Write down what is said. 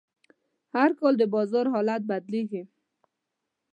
هر کال د بازار حالت بدلېږي.